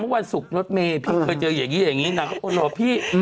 เมื่อวันศุกร์รถเมล์พี่เคยเจออย่างนี้นักคนเหรอพี่